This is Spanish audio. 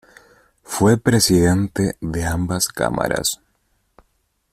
Fue presidente de ambas Cámaras.